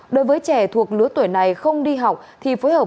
đối với trẻ thuộc lứa tuổi này không đi học thì phối hợp